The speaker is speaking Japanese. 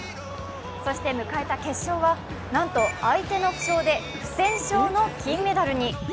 そして迎えた決勝は、なんと相手の負傷で不戦勝の金メダルに。